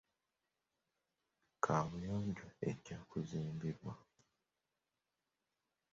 Kaabuyonjo ejja kuzimbibwa.